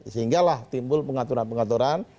sehingga lah timbul pengaturan pengaturan